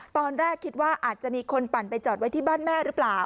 ตอนแรกคิดว่าอาจจะมีคนปั่นไปจอดไว้ที่บ้านแม่หรือเปล่า